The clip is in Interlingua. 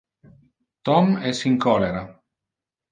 Tom es in cholera.